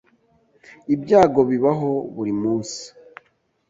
Ibyago bibaho buri munsi.